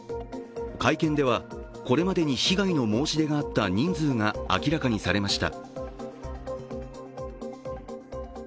会見ではこれまでに被害の申し出があった人数が明らかにされました。